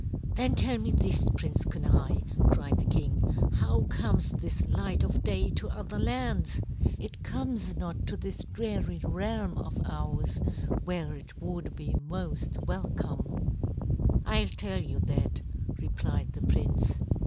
"Then tell me this, Prince Kenai," cried the king. "How comes this light of day to other lands? It comes not to this dreary realm of ours, where it would be most welcome." "I'll tell you that," replied the prince.